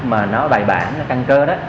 mà nó bài bản nó căng cơ